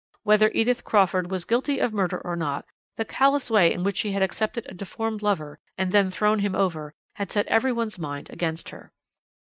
Whether Edith Crawford was guilty of murder or not, the callous way in which she had accepted a deformed lover, and then thrown him over, had set every one's mind against her.